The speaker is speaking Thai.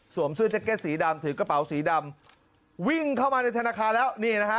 เสื้อแจ็กเก็ตสีดำถือกระเป๋าสีดำวิ่งเข้ามาในธนาคารแล้วนี่นะฮะ